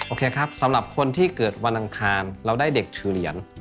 โอเคครับสำหรับคนที่เกิดวันอังคารเราได้เด็กถือเหรียญ